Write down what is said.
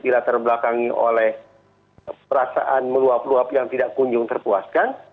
dilatar belakangi oleh perasaan meluap luap yang tidak kunjung terpuaskan